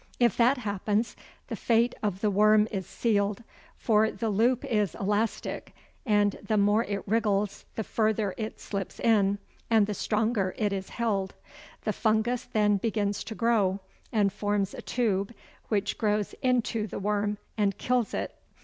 If that happens, the fate of the worm is sealed, for the loop is elastic, and the more it wriggles the farther it slips in and the stronger it is held. The fungus then begins to grow, and forms a tube which grows into the worm and kills it.